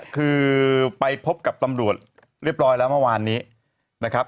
คือไปพบกับตำรวจเรียบร้อยแล้วเมื่อวานนี้นะครับ